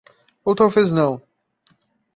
Ou talvez não?